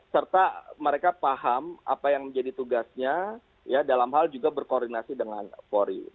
serta mereka paham apa yang menjadi tugasnya dalam hal juga berkoordinasi dan berkembang